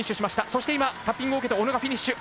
そして今、タッピングを受けて小野がフィニッシュ。